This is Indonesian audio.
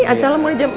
acara mulai jam empat